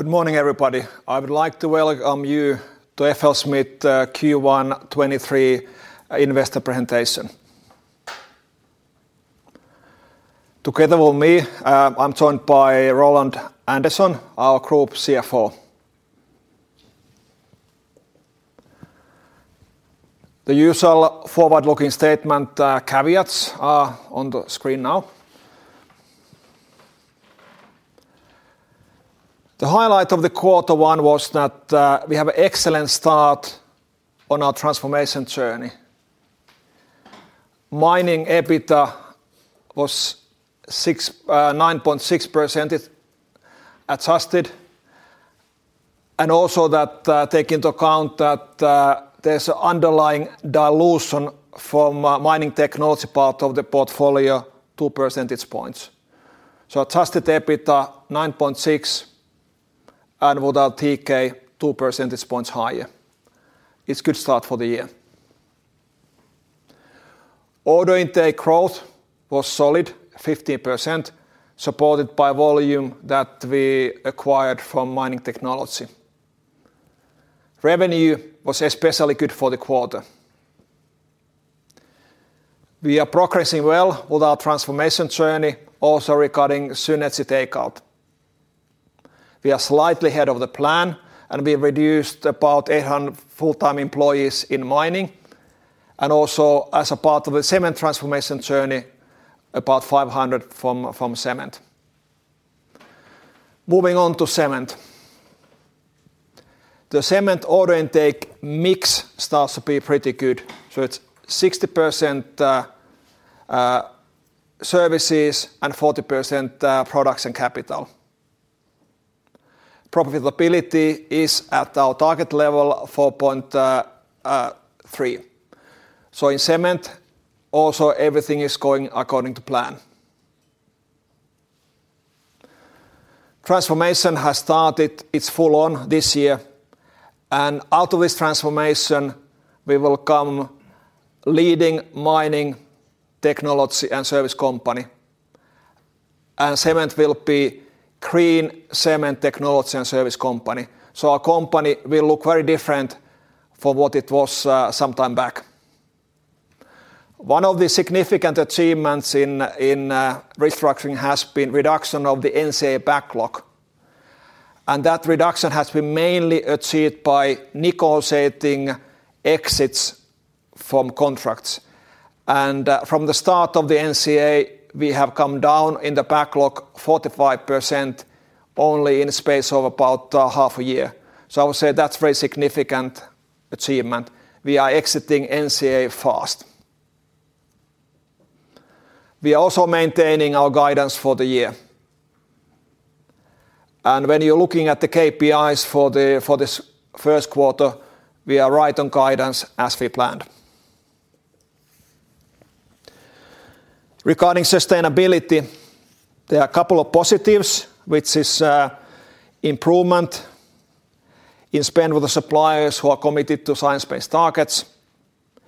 Good morning, everybody. I would like to welcome you to FLSmidth, Q1 2023 Investor Presentation. Together with me, I'm joined by Roland Andersen, our Group CFO. The usual forward-looking statement, caveats are on the screen now. The highlight of the Q1 was that we have a excellent start on our transformation journey. Mining EBITDA was 9.6% adjusted, and also that, take into account that, there's underlying dilution from Mining Technologies part of the portfolio, 2 percentage points. Adjusted EBITDA, 9.6%, and without TK, 2 percentage points higher. It's good start for the year. Order intake growth was solid, 50%, supported by volume that we acquired from Mining Technologies. Revenue was especially good for the quarter. We are progressing well with our transformation journey, also regarding synergy takeout. We are slightly ahead of the plan, and we reduced about 800 full-time employees in mining, and also as a part of the cement transformation journey, about 500 from cement. Moving on to cement. The cement order intake mix starts to be pretty good, so it's 60% services and 40% products and capital. Profitability is at our target level of 4.3. In cement, also everything is going according to plan. Transformation has started. It's full on this year, and out of this transformation, we will come leading mining technology and service company, and cement will be green cement technology and service company. Our company will look very different for what it was, some time back. One of the significant achievements in restructuring has been reduction of the NCA backlog. That reduction has been mainly achieved by negotiating exits from contracts. From the start of the NCA, we have come down in the backlog 45% only in the space of about half a year. I would say that's very significant achievement. We are exiting NCA fast. We are also maintaining our guidance for the year. When you're looking at the KPIs for this first quarter, we are right on guidance as we planned. Regarding sustainability, there are a couple of positives, which is, improvement in spend with the suppliers who are committed to Science-Based Targets,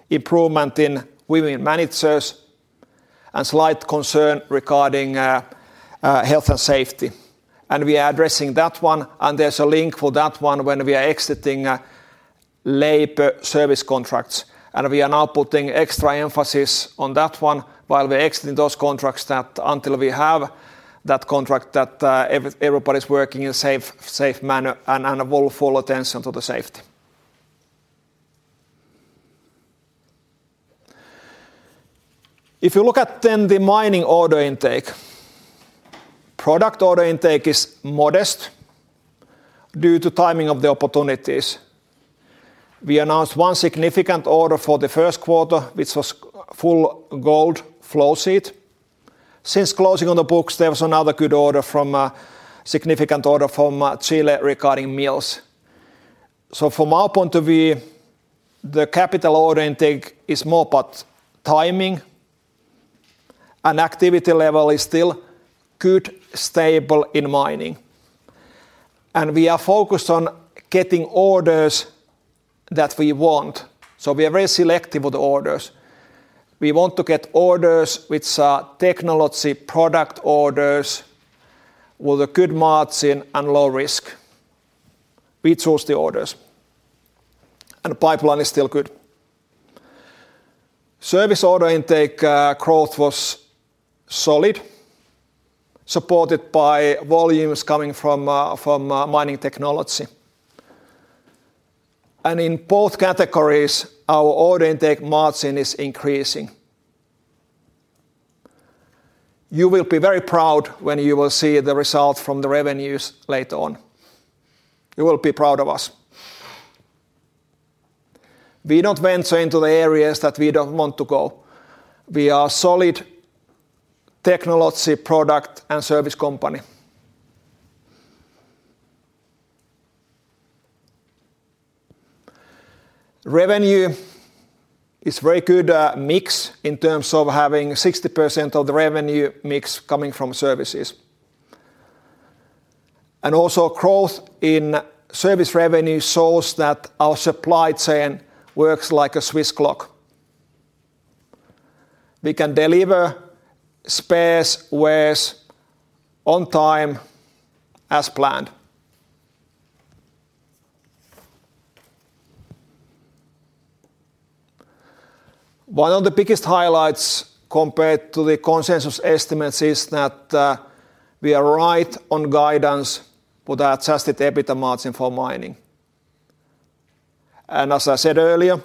improvement in women managers, and slight concern regarding health and safety, and we are addressing that one, and there's a link for that one when we are exiting labor service contracts. We are now putting extra emphasis on that one while we're exiting those contracts that until we have that contract that everybody's working in a safe manner and with full attention to the safety. If you look at the mining order intake, product order intake is modest due to timing of the opportunities. We announced one significant order for the first quarter, which was full gold flow sheet. Since closing on the books, there was another good order from, significant order from, Chile regarding mills. From our point of view, the capital order intake is more about timing and activity level is still good, stable in mining. We are focused on getting orders that we want, so we are very selective with the orders. We want to get orders which are technology product orders with a good margin and low risk. We choose the orders, and pipeline is still good. Service order intake, growth was solid, supported by volumes coming from Mining Technologies. In both categories, our order intake margin is increasing. You will be very proud when you will see the result from the revenues later on. You will be proud of us. We don't venture into the areas that we don't want to go. We are solid technology, product, and service company. Revenue is very good, mix in terms of having 60% of the revenue mix coming from services. Also growth in service revenue shows that our supply chain works like a Swiss clock. We can deliver spares, wares on time as planned. One of the biggest highlights compared to the consensus estimates is that, we are right on guidance for the adjusted EBITDA margin for mining. As I said earlier,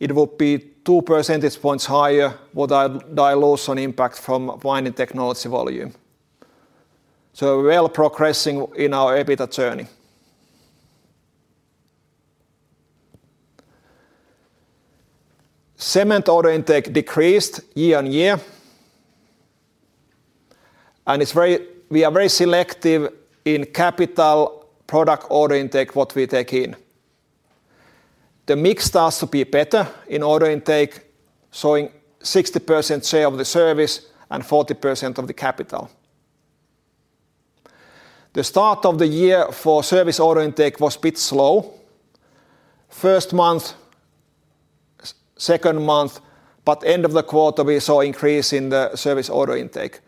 it will be 2 percentage points higher with a dilution impact from Mining Technology volume. So well progressing in our EBITDA journey. Cement order intake decreased year-on-year. We are very selective in capital product order intake, what we take in. The mix starts to be better in order intake, showing 60% share of the service and 40 of the capital. The start of the year for service order intake was a bit slow. First month, second month. End of the quarter we saw increase in the service order intake.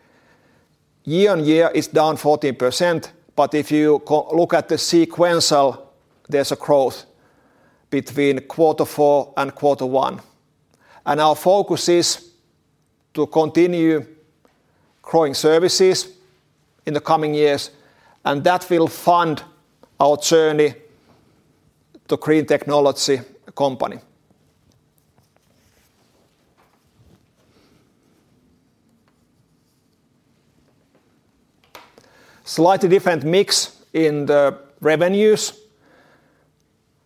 Year on year is down 14%. If you look at the sequential, there's a growth between quarter four and quarter one. Our focus is to continue growing services in the coming years, and that will fund our journey to create technology company. Slightly different mix in the revenues.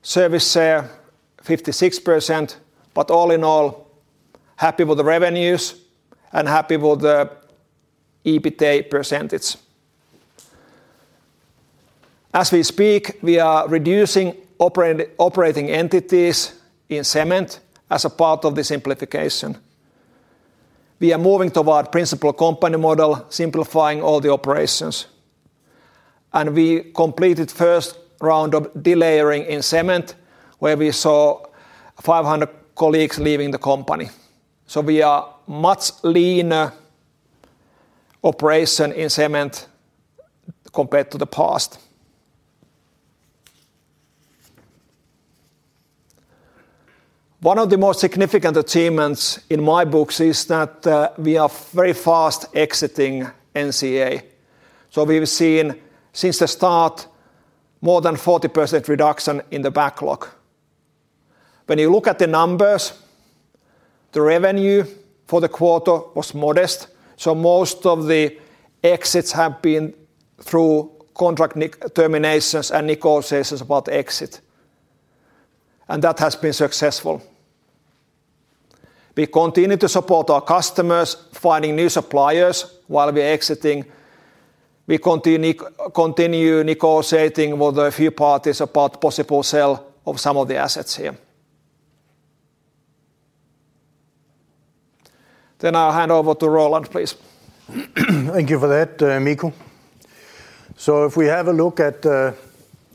Service share 56%. All in all, happy with the revenues and happy with the EBITDA percentage. As we speak, we are reducing operating entities in cement as a part of the simplification. We are moving toward principal company model, simplifying all the operations. We completed first round of delayering in cement, where we saw 500 colleagues leaving the company. We are much leaner operation in cement compared to the past. One of the most significant achievements in my books is that we are very fast exiting NCA. We've seen, since the start, more than 40% reduction in the backlog. When you look at the numbers, the revenue for the quarter was modest, so most of the exits have been through contract terminations and negotiations about exit. That has been successful. We continue to support our customers, finding new suppliers while we're exiting. We continue negotiating with a few parties about possible sale of some of the assets here. I'll hand over to Roland, please. Thank you for that, Mikko. If we have a look at the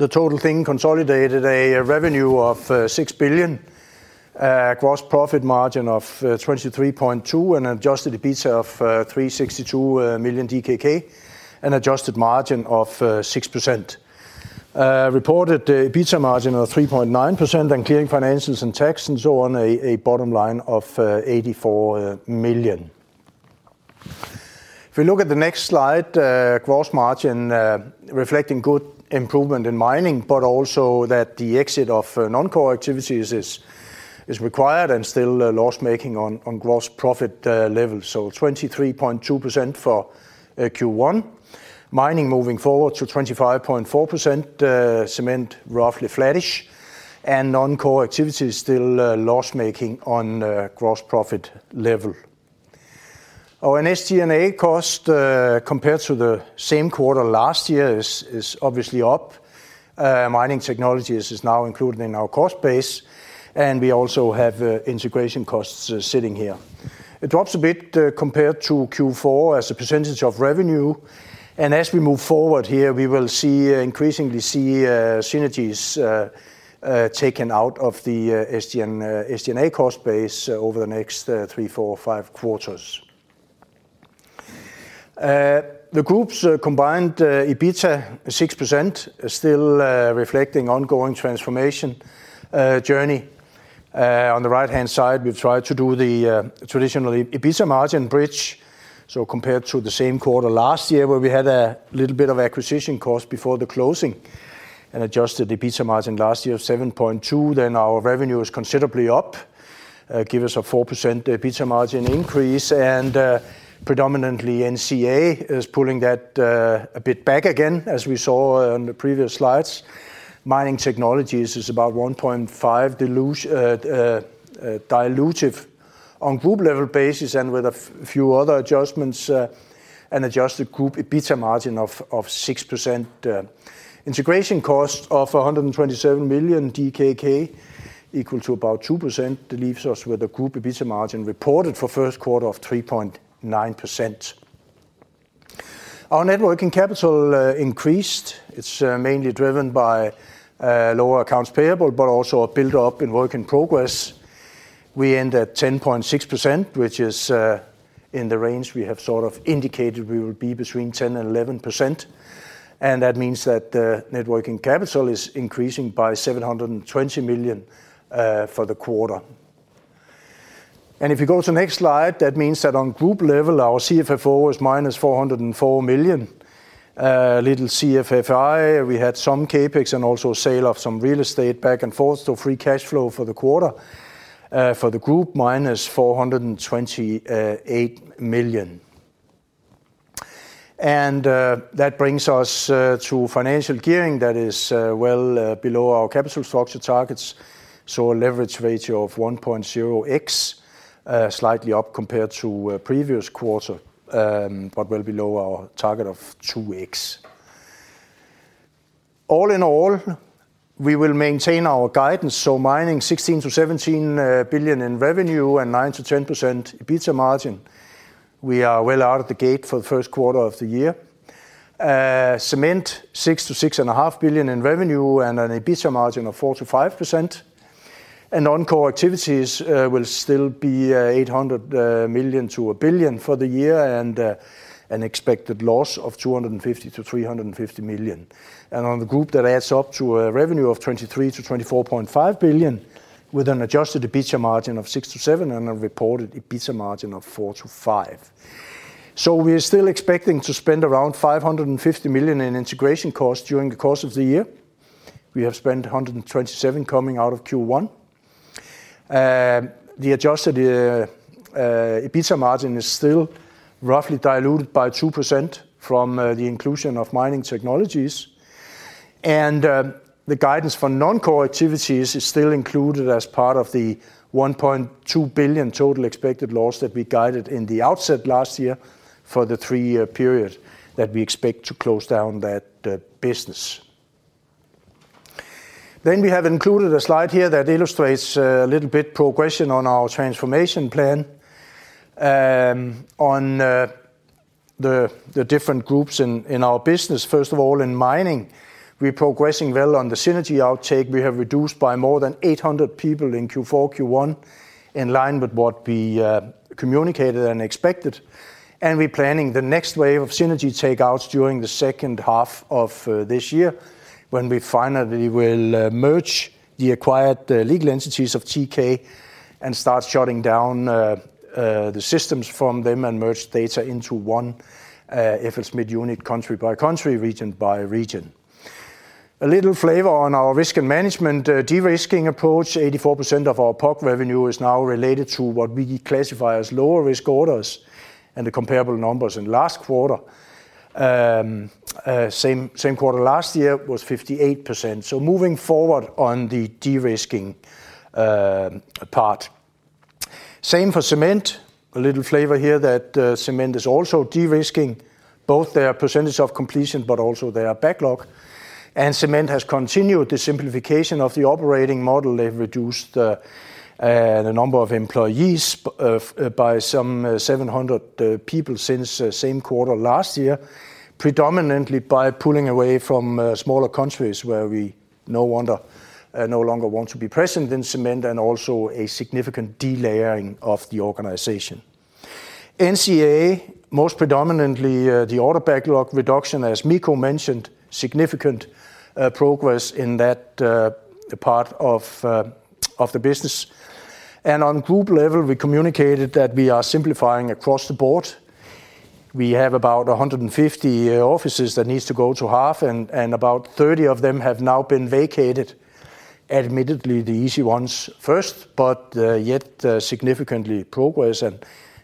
total thing consolidated, a revenue of 6 billion, a gross profit margin of 23.2%, an adjusted EBITDA of 362 million DKK, an adjusted margin of 6%. Reported EBITDA margin of 3.9% and clearing financials and tax and so on, a bottom line of 84 million. If we look at the next slide, gross margin reflecting good improvement in Mining, but also that the exit of non-core activities is required and still loss-making on gross profit level. 23.2% for Q1. Mining moving forward to 25.4%. Cement roughly flattish. Non-core activities still loss-making on gross profit level. Our SG&A cost compared to the same quarter last year is obviously up. Mining Technologies is now included in our cost base, and we also have integration costs sitting here. It drops a bit compared to Q4 as a percentage of revenue. As we move forward here, we will increasingly see synergies taken out of the SG&A cost base over the next three, four, five quarters. The group's combined EBITDA is 6% still reflecting ongoing transformation journey. On the right-hand side, we've tried to do the traditional EBITDA margin bridge. Compared to the same quarter last year, where we had a little bit of acquisition cost before the closing, an adjusted EBITDA margin last year of 7.2, then our revenue is considerably up, give us a 4% EBITDA margin increase. Predominantly NCA is pulling that a bit back again, as we saw on the previous slides. Mining Technologies is about 1.5 dilutive on group level basis and with a few other adjustments, an adjusted group EBITDA margin of 6%. Integration cost of 127 million DKK, equal to about 2%, that leaves us with a group EBITDA margin reported for first quarter of 3.9%. Our net working capital increased. It's mainly driven by lower accounts payable, but also a build-up in work in progress. We end at 10.6%, which is in the range we have sort of indicated we will be between 10% and 11%. That means that the net working capital is increasing by 720 million for the quarter. If you go to next slide, that means that on group level, our CFFO is minus 404 million. Little CFFI, we had some CapEx and also sale of some real estate back and forth. Free cash flow for the quarter, for the group, minus 428 million. That brings us to financial gearing that is well below our capital structure targets. A leverage ratio of 1.0x, slightly up compared to previous quarter, but well below our target of 2x. All in all, we will maintain our guidance, mining 16 billion-17 billion in revenue and 9%-10% EBITDA margin. We are well out of the gate for the first quarter of the year. Cement, 6 billion to 6 and a half billion in revenue and an EBITDA margin of 4%-5%. Non-core activities will still be 800 million-1 billion for the year and an expected loss of 250 million-350 million. On the group that adds up to a revenue of 23 billion-24.5 billion, with an adjusted EBITDA margin of 6%-7% and a reported EBITDA margin of 4%-5%. We are still expecting to spend around 550 million in integration costs during the course of the year. We have spent 127 coming out of Q1. The adjusted EBITDA margin is still roughly diluted by 2% from the inclusion of Mining Technologies. The guidance for non-core activities is still included as part of the 1.2 billion total expected loss that we guided in the outset last year for the three-year period that we expect to close down that business. We have included a slide here that illustrates a little bit progression on our transformation plan on the different groups in our business. First of all, in mining, we're progressing well on the synergy outtake. We have reduced by more than 800 people in Q4, Q1, in line with what we communicated and expected. We're planning the next wave of synergy takeouts during the second half of this year, when we finally will merge the acquired legal entities of TK and start shutting down the systems from them and merge data into one FLSmidth unit, country by country, region by region. A little flavor on our risk and management de-risking approach. 84% of our POC revenue is now related to what we de-classify as lower risk orders and the comparable numbers. In last quarter, same quarter last year was 58%. Moving forward on the de-risking part. Same for cement. A little flavor here that cement is also de-risking both their percentage of completion, but also their backlog. Cement has continued the simplification of the operating model. They've reduced the number of employees by some 700 people since same quarter last year, predominantly by pulling away from smaller countries where we no longer want to be present in cement, and also a significant delayering of the organization. NCA, most predominantly, the order backlog reduction, as Mikko mentioned, significant progress in that part of the business. On group level, we communicated that we are simplifying across the board. We have about 150 offices that needs to go to half, and about 30 of them have now been vacated. Admittedly, the easy ones first, but yet, significantly progress, and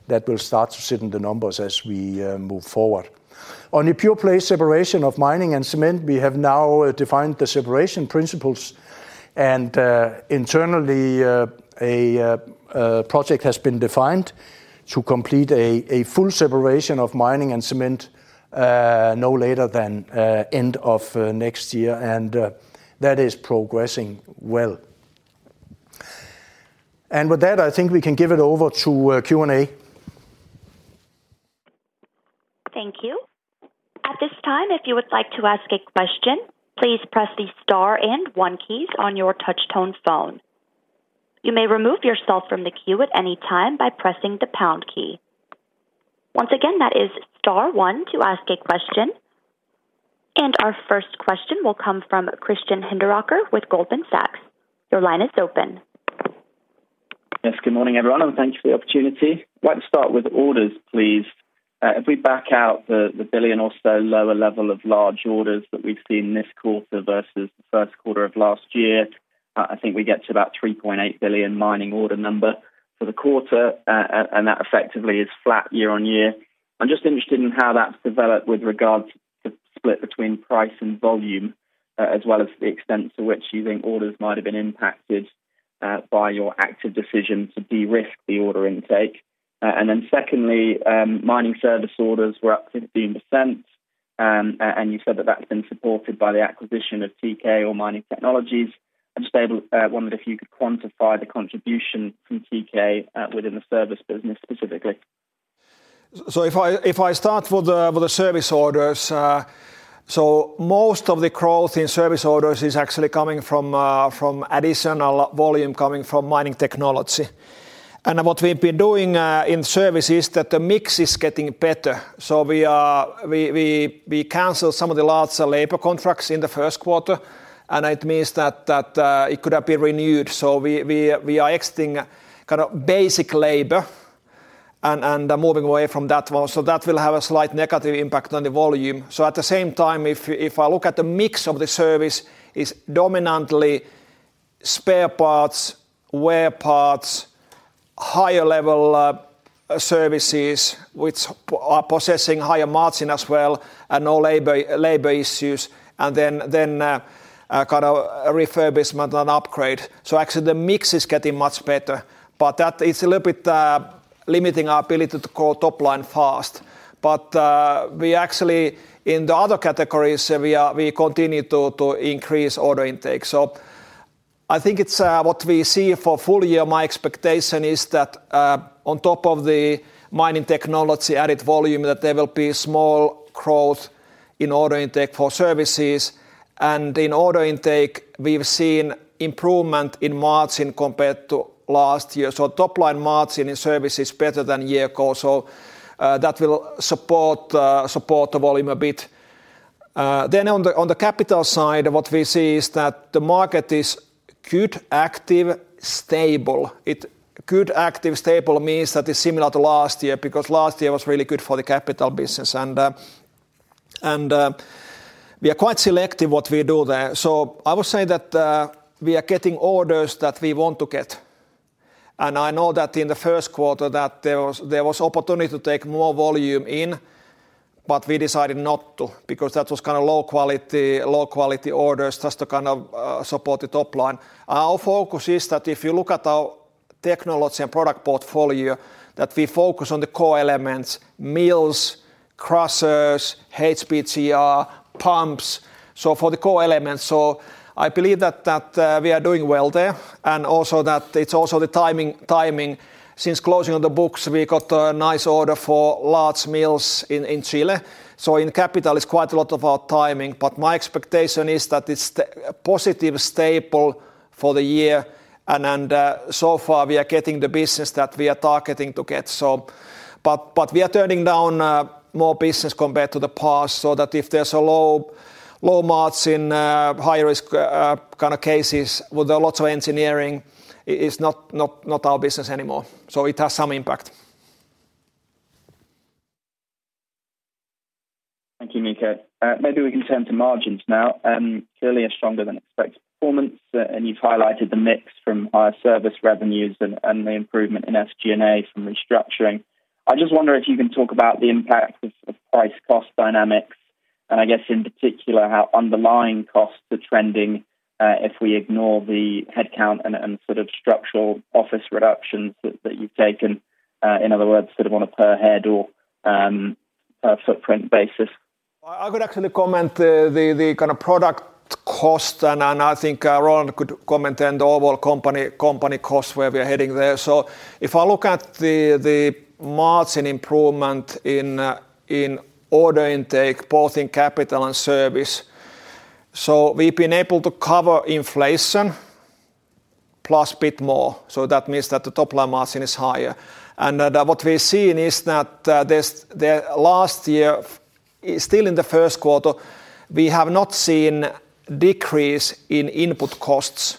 that will start to sit in the numbers as we move forward. On a pure play separation of mining and cement, we have now defined the separation principles. Internally, a project has been defined to complete a full separation of mining and cement, no later than end of next year, and that is progressing well. With that, I think we can give it over to Q&A. Thank you. At this time, if you would like to ask a question, please press the star and one keys on your touch tone phone. You may remove yourself from the queue at any time by pressing the pound key. Once again, that is star one to ask a question. Our first question will come from Christian Hinderaker with Goldman Sachs. Your line is open. Yes, good morning, everyone, and thanks for the opportunity. Like to start with orders, please. If we back out the billion or so lower level of large orders that we've seen this quarter versus the first quarter of last year, I think we get to about 3.8 billion mining order number for the quarter, that effectively is flat year-on-year. I'm just interested in how that's developed with regard to the split between price and volume, as well as the extent to which you think orders might have been impacted by your active decision to de-risk the order intake. Secondly, mining service orders were up 15%. You said that that's been supported by the acquisition of TK or Mining Technologies. I just wondered if you could quantify the contribution from TK within the service business specifically. If I, if I start with the, with the service orders. Most of the growth in service orders is actually coming from additional volume coming from Mining Technologies. What we've been doing in service is that the mix is getting better. We canceled some of the larger labor contracts in the first quarter, and it means that it could have been renewed. We are exiting kind of basic labor and moving away from that one. That will have a slight negative impact on the volume. At the same time, if I look at the mix of the service is dominantly spare parts, wear parts, higher level services which are possessing higher margin as well, and no labor issues, and then kind of a refurbishment and upgrade. Actually the mix is getting much better, but that is a little bit limiting our ability to grow top line fast. We actually In the other categories, we continue to increase order intake. I think it's what we see for full year, my expectation is that on top of the mining technology added volume, that there will be small growth in order intake for services. In order intake, we've seen improvement in margin compared to last year. Top line margin in service is better than year course, so that will support the volume a bit. On the capital side, what we see is that the market is good, active, stable. Good, active, stable means that it's similar to last year, because last year was really good for the capital business. We are quite selective what we do there. I would say that we are getting orders that we want to get. I know that in the first quarter that there was opportunity to take more volume in, but we decided not to because that was kind of low quality orders just to kind of support the top line. Our focus is that if you look at our technology and product portfolio, that we focus on the core elements, mills, crushers, HPGR, pumps, so for the core elements. I believe that we are doing well there, and also that it's also the timing. Since closing of the books, we got a nice order for large mills in Chile. In capital it's quite a lot about timing, but my expectation is that it's positive, stable for the year. So far we are getting the business that we are targeting to get so. We are turning down more business compared to the past, so that if there's a low, low margin, high risk, kind of cases with a lot of engineering, it is not our business anymore. It has some impact. Thank you, Mikko. Maybe we can turn to margins now. Clearly a stronger than expected performance, and you've highlighted the mix from higher service revenues and the improvement in SG&A from restructuring. I just wonder if you can talk about the impact of price cost dynamics, and I guess in particular, how underlying costs are trending, if we ignore the headcount and sort of structural office reductions that you've taken, in other words, sort of on a per head or a footprint basis. I could actually comment the kind of product cost, and I think Roland could comment on the overall company cost, where we're heading there. If I look at the margin improvement in order intake, both in capital and service. We've been able to cover inflation plus bit more, so that means that the top line margin is higher. What we've seen is that the last year, still in the first quarter, we have not seen decrease in input costs.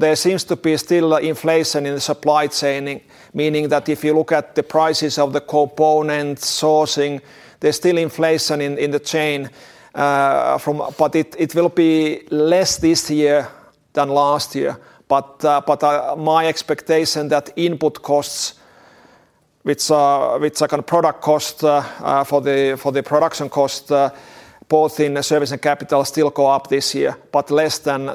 There seems to be still inflation in the supply chaining. Meaning that if you look at the prices of the component sourcing, there's still inflation in the chain. It will be less this year than last year. My expectation that input costs, which are kind of product cost for the production cost, both in service and capital still go up this year, but less than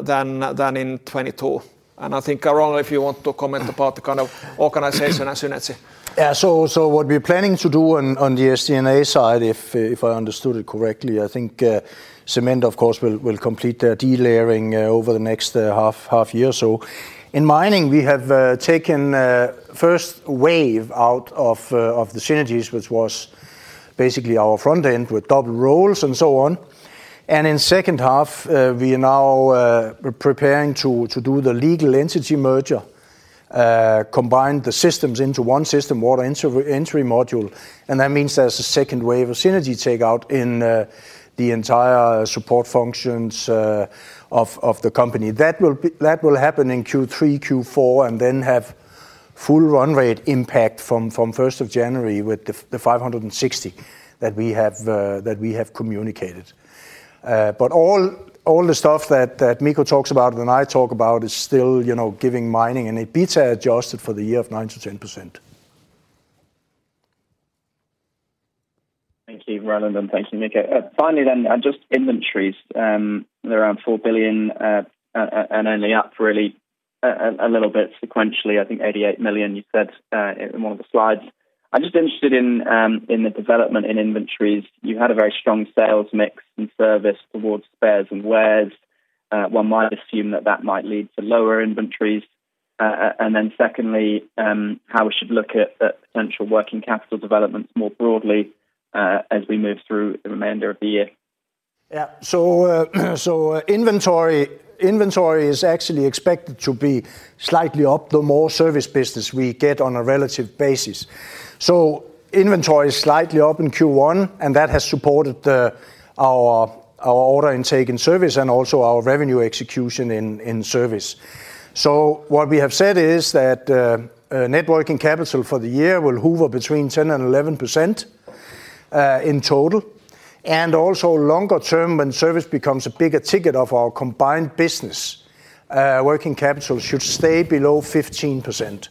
in 2022. I think, Roland, if you want to comment about the kind of organization synergy. Yeah. What we're planning to do on the SG&A side, if I understood it correctly, I think Cement, of course, will complete their delayering over the next half year or so. In mining, we have taken first wave out of the synergies, which was basically our front end with double rolls and so on. In second half, we are now preparing to do the legal entity merger, combine the systems into one system, one entry module. That means there's a second wave of synergy take out in the entire support functions, of the company. That will happen in Q3, Q4, and then have full run rate impact from first of January with the 560 that we have communicated. All the stuff that Mikko talks about and I talk about is still, you know, giving mining an EBITDA adjusted for the year of 9%-10%. Thank you, Roland. Thank you, Mikko. Finally, on just inventories, they're around 4 billion and only up really A little bit sequentially, I think 88 million you said in one of the slides. I'm just interested in the development in inventories. You had a very strong sales mix in service towards spares and wears. One might assume that that might lead to lower inventories. Secondly, how we should look at potential working capital developments more broadly as we move through the remainder of the year. Yeah. Inventory is actually expected to be slightly up, the more service business we get on a relative basis. Inventory is slightly up in Q1, and that has supported the, our order intake in service and also our revenue execution in service. What we have said is that net working capital for the year will hover between 10% and 11% in total. Also longer term, when service becomes a bigger ticket of our combined business, working capital should stay below 15%.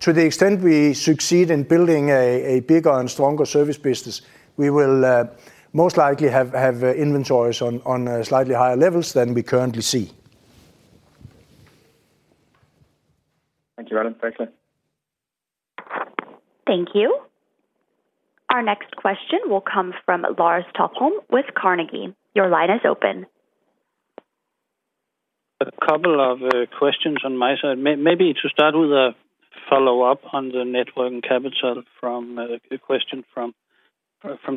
To the extent we succeed in building a bigger and stronger service business, we will most likely have inventories on slightly higher levels than we currently see. Thank you, Adam. Thanks. Thank you. Our next question will come from Lars Topholm with Carnegie. Your line is open. A couple of questions on my side. Maybe to start with a follow-up on the net working capital from the question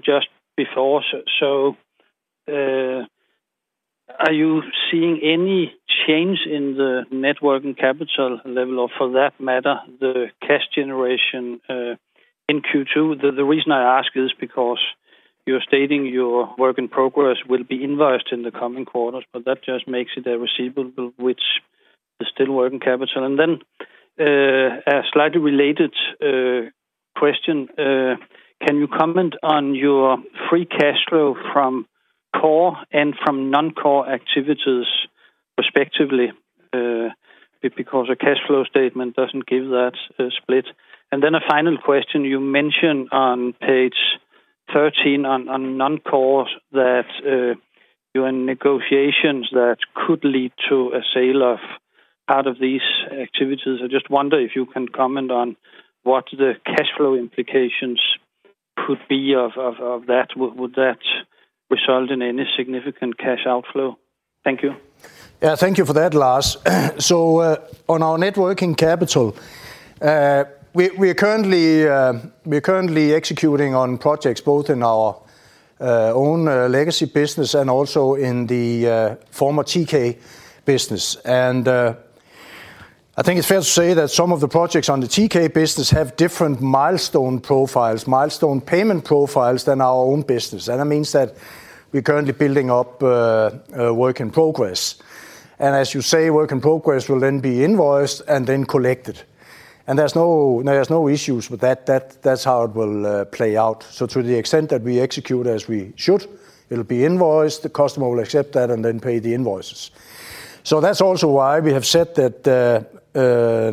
just before. Are you seeing any change in the net working capital level or for that matter, the cash generation in Q2? The reason I ask is because you're stating your work in progress will be invoiced in the coming quarters, but that just makes it a receivable, which is still working capital. Then a slightly related question. Can you comment on your free cash flow from core and from non-core activities respectively, because a cash flow statement doesn't give that split. Then a final question, you mentioned on page 13 on non-cores that you're in negotiations that could lead to a sale of out of these activities. I just wonder if you can comment on what the cash flow implications could be of that. Would that result in any significant cash outflow? Thank you. Thank you for that, Lars. On our net working capital, we are currently executing on projects both in our own legacy business and also in the former TK business. I think it's fair to say that some of the projects on the TK business have different milestone profiles, milestone payment profiles than our own business. That means that we're currently building up work in progress. As you say, work in progress will then be invoiced and then collected. There's no issues with that. That's how it will play out. To the extent that we execute as we should, it'll be invoiced, the customer will accept that and then pay the invoices. That's also why we have said that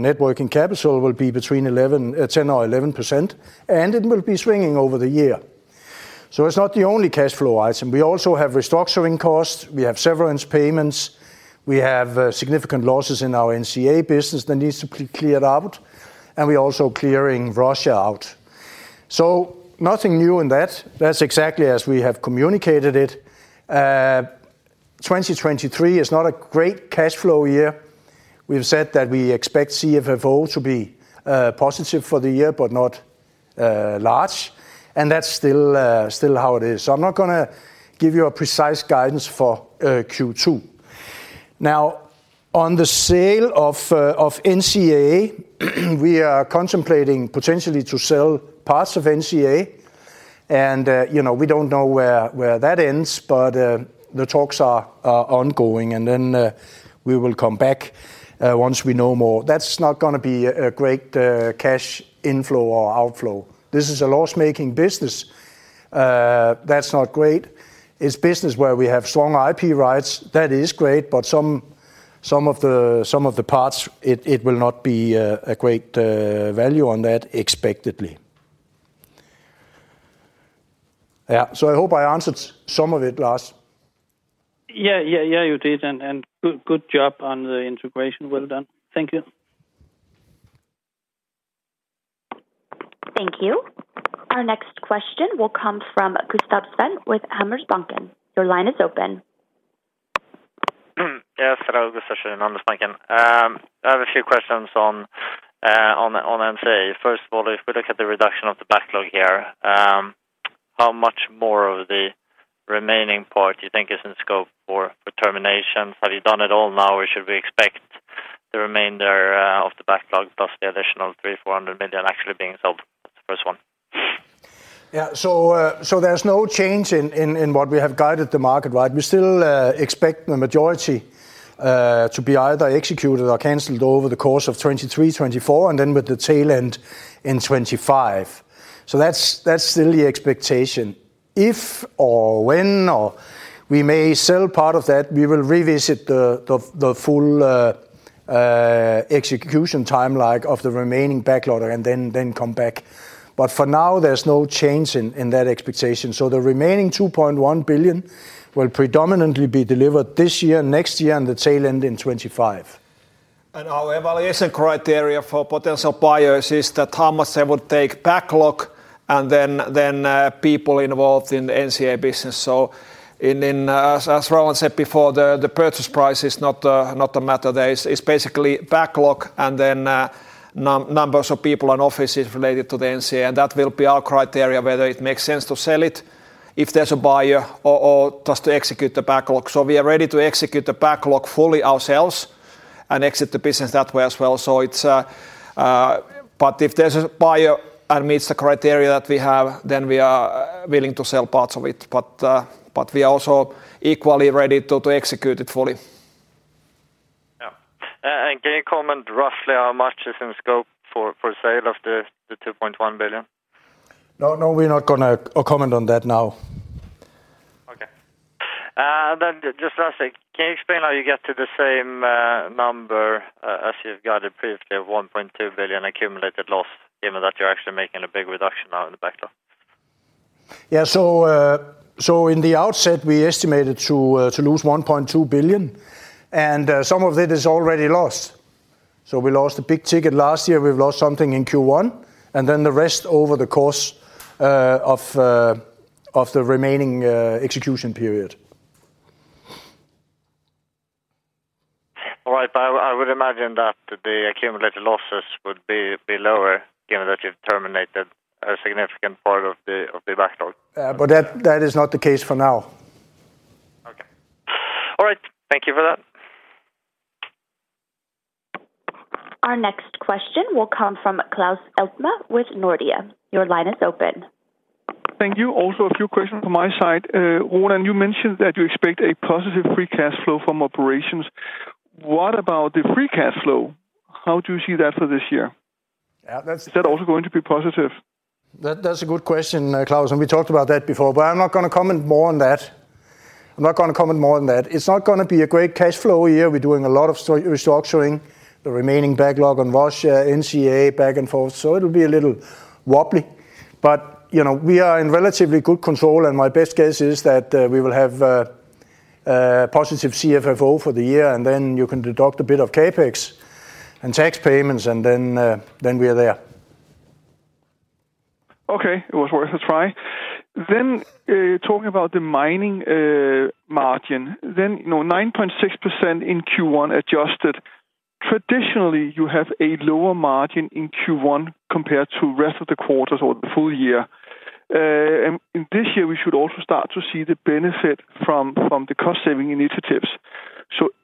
net working capital will be between 10% or 11%, and it will be swinging over the year. It's not the only cash flow item. We also have restructuring costs, we have severance payments, we have significant losses in our NCA business that needs to be cleared out, and we're also clearing Russia out. Nothing new in that. That's exactly as we have communicated it. 2023 is not a great cash flow year. We've said that we expect CFFO to be positive for the year, but not large. That's still how it is. I'm not gonna give you a precise guidance for Q2. Now, on the sale of NCA, we are contemplating potentially to sell parts of NCA. You know, we don't know where that ends, but the talks are ongoing, and then we will come back once we know more. That's not gonna be a great cash inflow or outflow. This is a loss-making business. That's not great. It's business where we have strong IP rights. That is great, but some of the parts, it will not be a great value on that expectedly. Yeah. I hope I answered some of it, Lars. Yeah. Yeah, yeah, you did. Good job on the integration. Well done. Thank you. Thank you. Our next question will come from Gustaf Schwerin with Handelsbanken. Your line is open. Yes. Hello, Gustaf Schwerin, Handelsbanken. I have a few questions on NCA. First of all, if we look at the reduction of the backlog here, how much more of the remaining part do you think is in scope for termination? Have you done it all now, or should we expect the remainder of the backlog plus the additional 300 million-400 million actually being sold? That's the first one. There's no change in what we have guided the market wide. We still expect the majority to be either executed or canceled over the course of 2023, 2024, with the tail end in 2025. That's still the expectation. If or when or we may sell part of that, we will revisit the full execution timeline of the remaining back order and then come back. For now, there's no change in that expectation. The remaining 2.1 billion will predominantly be delivered this year, next year, and the tail end in 2025. Our evaluation criteria for potential buyers is that how much they would take backlog and then people involved in the NCA business. In as Roland said before, the purchase price is not a matter. It's basically backlog and then numbers of people and offices related to the NCA, and that will be our criteria, whether it makes sense to sell it if there's a buyer or just to execute the backlog. We are ready to execute the backlog fully ourselves and exit the business that way as well. If there's a buyer and meets the criteria that we have, then we are willing to sell parts of it. We are also equally ready to execute it fully. Yeah. Can you comment roughly how much is in scope for sale of the 2.1 billion? No, no, we're not gonna comment on that now. Okay. Just lastly, can you explain how you get to the same number as you've guided previously of 1.2 billion accumulated loss given that you're actually making a big reduction now in the backlog? Yeah. So in the outset, we estimated to lose 1.2 billion. Some of it is already lost. We lost a big ticket last year. We've lost something in Q1, the rest over the course of the remaining execution period. All right. I would imagine that the accumulated losses would be below it, given that you've terminated a significant part of the, of the backlog. That is not the case for now. Okay. All right. Thank you for that. Our next question will come from Claus Almer with Nordea. Your line is open. Thank you. Also, a few questions from my side. Roland, you mentioned that you expect a positive free cash flow from operations. What about the free cash flow? How do you see that for this year? Yeah. Is that also going to be positive? That's a good question, Claus, and we talked about that before, but I'm not gonna comment more on that. I'm not gonna comment more on that. It's not gonna be a great cash flow year. We're doing a lot of restructuring, the remaining backlog on Russia, NCA, back and forth. It'll be a little wobbly. You know, we are in relatively good control, and my best guess is that we will have positive CFFO for the year. Then you can deduct a bit of CapEx and tax payments. Then we are there. Okay. It was worth a try. Then, talking about the mining margin, then, you know, 9.6% in Q1 adjusted. Traditionally, you have a lower margin in Q1 compared to rest of the quarters or the full year. And in this year, we should also start to see the benefit from the cost saving initiatives.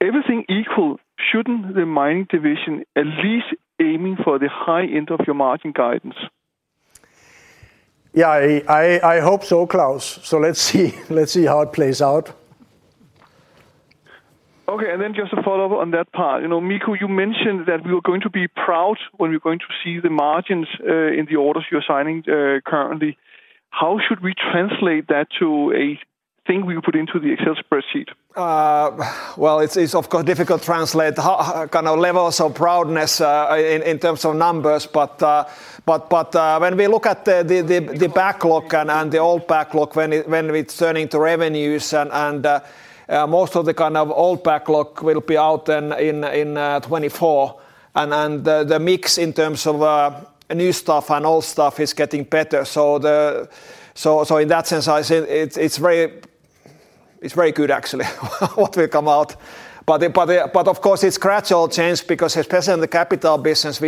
Everything equal, shouldn't the mining division at least aiming for the high end of your margin guidance? Yeah, I hope so, Klaus. Let's see. Let's see how it plays out. Okay. Just a follow-up on that part. You know, Mikko, you mentioned that we were going to be proud when we're going to see the margins, in the orders you're signing, currently. How should we translate that to a thing we put into the Excel spreadsheet? Well, it's, of course, difficult to translate the kind of levels of proudness in terms of numbers. When we look at the backlog and the old backlog when it's turning to revenues and most of the kind of old backlog will be out then in 2024. Then the mix in terms of new stuff and old stuff is getting better. In that sense, I say it's very good actually what will come out. Of course, it's gradual change because especially in the capital business,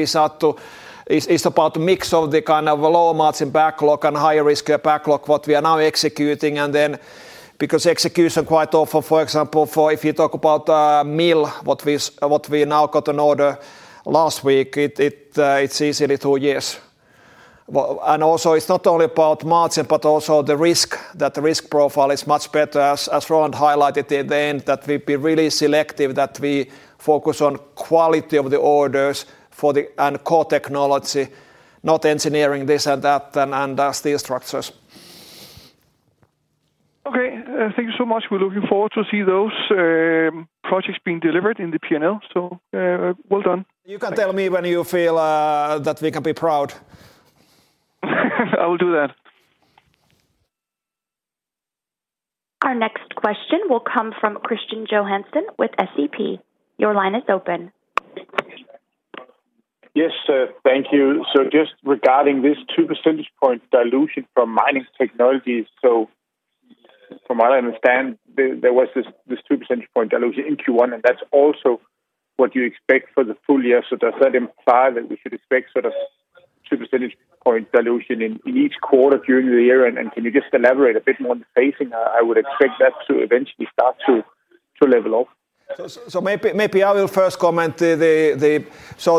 it's about mix of the kind of low margin backlog and higher risk backlog, what we are now executing. Because execution quite often, for example, for if you talk about mill, what we now got an order last week, it's easily two years. Also, it's not only about margin but also the risk, that risk profile is much better. As Roland highlighted at the end, that we've been really selective, that we focus on quality of the orders for the core technology, not engineering this and that and steel structures. Okay. Thank you so much. We're looking forward to see those projects being delivered in the P&L. Well done. You can tell me when you feel that we can be proud. I will do that. Our next question will come from Kristian Johansen with SEB. Your line is open. Yes, thank you. Just regarding this 2 percentage point dilution from Mining Technologies. From what I understand, there was this 2 percentage point dilution in Q1, and that's also what you expect for the full year. Does that imply that we should expect sort of 2 percentage point dilution in each quarter during the year? Can you just elaborate a bit more on the phasing? I would expect that to eventually start to level off.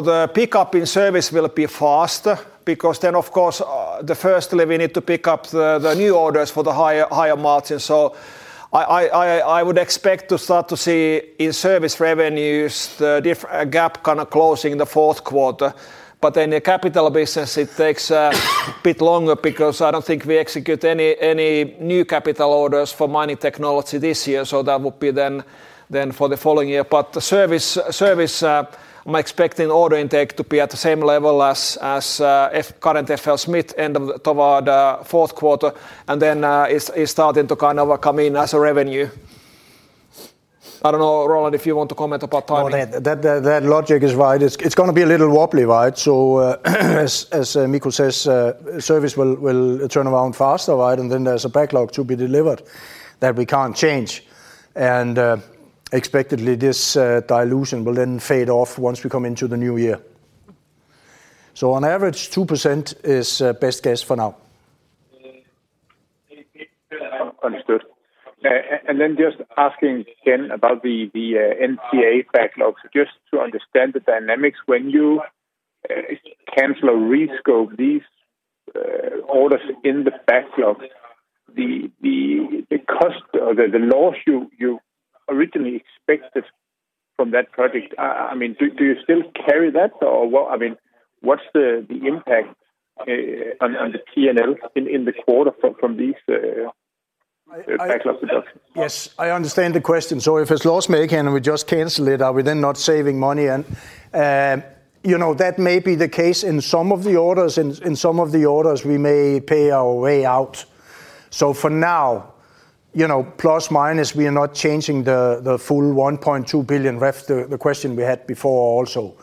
The pickup in service will be faster because then, of course, the first level we need to pick up the new orders for the higher margin. I would expect to start to see in service revenues a gap kind of closing the fourth quarter. The capital business, it takes a bit longer because I don't think we execute any new capital orders for Mining Technologies this year. That would be then for the following year. The service, I'm expecting order intake to be at the same level as, if current FLSmidth end of toward fourth quarter, then, it's starting to kind of come in as a revenue. I don't know, Roland, if you want to comment about timing? That logic is right. It's gonna be a little wobbly, right? As Mikko says, service will turn around faster, right? There's a backlog to be delivered that we can't change. Expectedly, this dilution will then fade off once we come into the new year. On average, 2% is best guess for now. Understood. just asking again about the NCA backlogs, just to understand the dynamics. When you cancel or rescope these orders in the backlog, the cost or the loss you originally expected from that project, I mean, do you still carry that or what? I mean, what's the impact on the P&L in the quarter from these backlogs reductions? Yes, I understand the question. If it's loss-making and we just cancel it, are we then not saving money? You know, that may be the case in some of the orders. In some of the orders, we may pay our way out. For now, you know, plus/minus, we are not changing the full 1.2 billion rev, the question we had before also.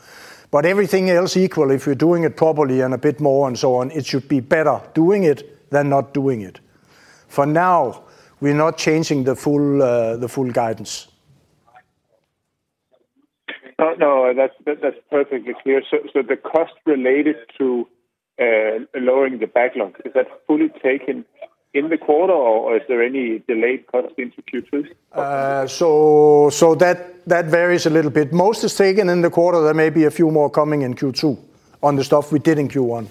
Everything else equal, if you're doing it properly and a bit more and so on, it should be better doing it than not doing it. For now, we're not changing the full guidance. Oh, no, that's perfectly clear. The cost related to lowering the backlog, is that fully taken in the quarter or is there any delayed cost into Q2? That varies a little bit. Most is taken in the quarter. There may be a few more coming in Q2 on the stuff we did in Q1.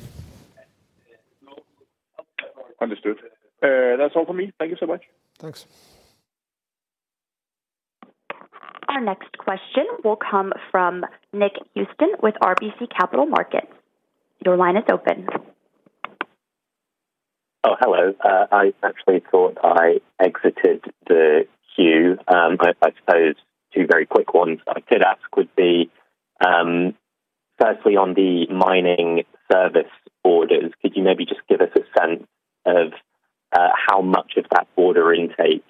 Understood. That's all for me. Thank you so much. Thanks. Our next question will come from Nick Housden with RBC Capital Markets. Your line is open. Hello. I actually thought I exited the queue. I suppose two very quick ones I could ask would be, firstly on the mining service orders, could you maybe just give us a sense of how much of that order intake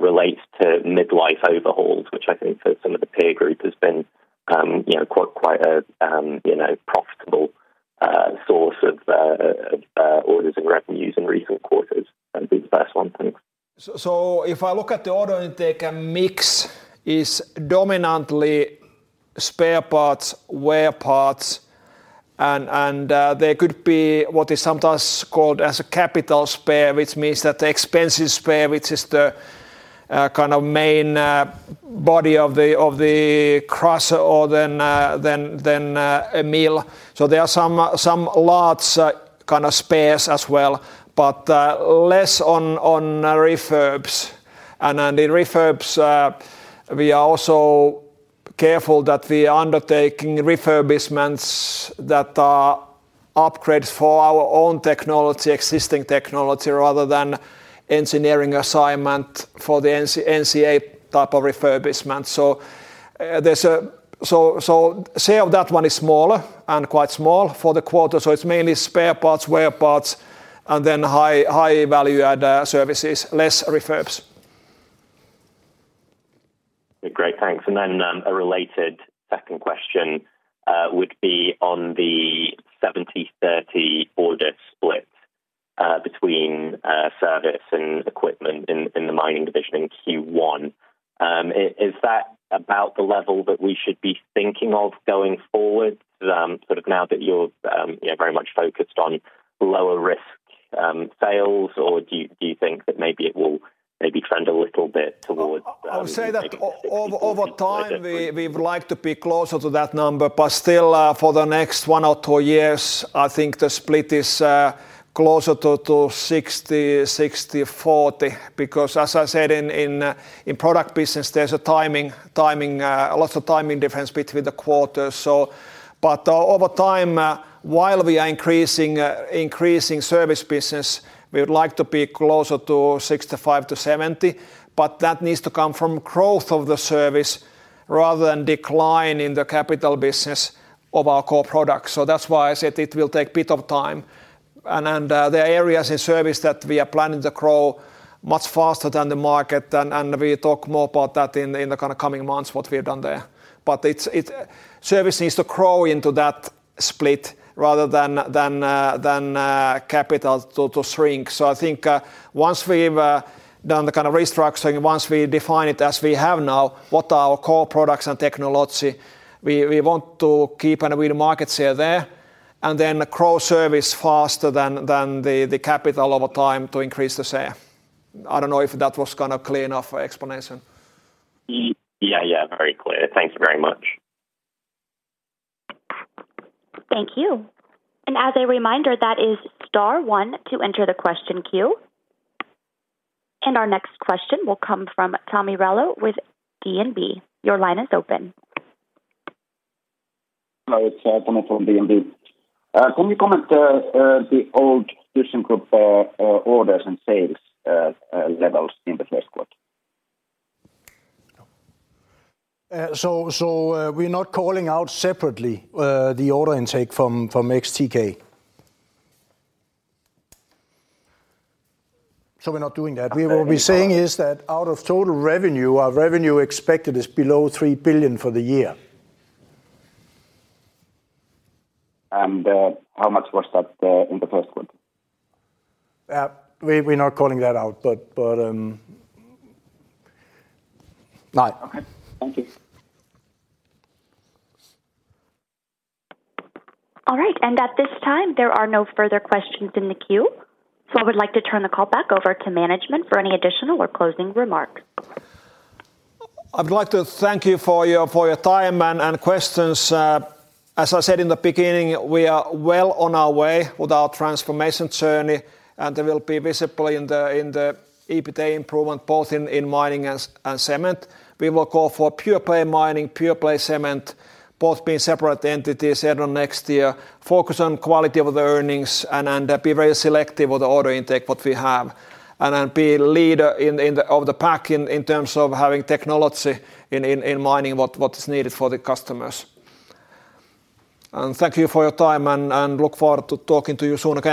relates to mid-life overhauls, which I think for some of the peer group has been, you know, quite a, you know, profitable source of orders and revenues in recent quarters? That'd be the first one. Thanks. If I look at the order intake and mix is dominantly spare parts, wear parts, and there could be what is sometimes called as a capital spare, which means that the expensive spare, which is the kind of main body of the crusher or then a mill. There are some large kind of spares as well, but less on refurbs. In refurbs, we are also careful that we are undertaking refurbishments that are upgrades for our own technology, existing technology, rather than engineering assignment for the NCA type of refurbishment. Sale of that one is smaller and quite small for the quarter. It's mainly spare parts, wear parts, and then high value-add services, less refurbs. Great. Thanks. Then, a related second question, would be on the 70/30 order split, between service and equipment in the mining division in Q1. Is that about the level that we should be thinking of going forward, sort of now that you're, you know, very much focused on lower risk, sales? Or do you think that maybe it will maybe trend a little bit towards? I would say that over time, we would like to be closer to that number, but still, for the next 1 or 2 years, I think the split is closer to 60/40. Because as I said, in product business, there's a timing, lots of timing difference between the quarters. But over time, while we are increasing increasing service business, we would like to be closer to 65-70, but that needs to come from growth of the service rather than decline in the capital business of our core products. That's why I said it will take a bit of time. And there are areas in service that we are planning to grow much faster than the market. We talk more about that in the kind of coming months, what we have done there. Service needs to grow into that split rather than capital to shrink. I think once we've done the kind of restructuring, once we define it as we have now, what are our core products and technology, we want to keep and win market share there, and then grow service faster than the capital over time to increase the share. I don't know if that was kind of clear enough explanation. Yeah, yeah, very clear. Thank you very much. Thank you. As a reminder, that is star one to enter the question queue. Our next question will come from Tommy Rönnlund with DNB. Your line is open. Hello, it's Tommy from DNB. Can you comment, the old decision group, orders and sales, levels in the first quarter? We're not calling out separately the order intake from TK. We're not doing that. We will be saying is that out of total revenue, our revenue expected is below 3 billion for the year. How much was that, in the first quarter? We're not calling that out, but, No. Okay. Thank you. All right. At this time, there are no further questions in the queue. I would like to turn the call back over to management for any additional or closing remarks. I would like to thank you for your time and questions. As I said in the beginning, we are well on our way with our transformation journey, it will be visible in the EBITDA improvement, both in mining and cement. We will go for pure play mining, pure play cement, both being separate entities early next year. Focus on quality of the earnings and be very selective with the order intake, what we have. Be leader of the pack in terms of having technology in mining what is needed for the customers. Thank you for your time and look forward to talking to you soon again.